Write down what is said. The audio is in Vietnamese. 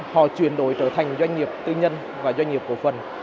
họ chuyển đổi trở thành doanh nghiệp tư nhân và doanh nghiệp cổ phần